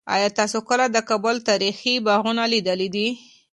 آیا تاسو کله د کابل تاریخي باغونه لیدلي دي؟